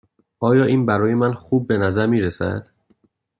آیا این برای من خوب به نظر می رسد؟